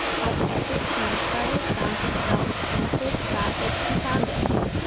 At every turn Carlos found himself answered, baffled, confounded.